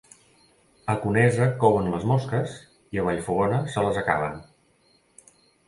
A Conesa couen les mosques i a Vallfogona se les acaben.